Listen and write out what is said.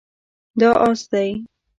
دا اس دی